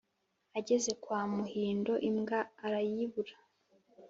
Ageze kwa Muhindo imbwa arayibura